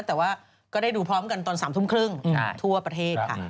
แต่ว่าก็ได้ดูพร้อมกันตอน๓ทุ่มครึ่งทั่วประเทศค่ะ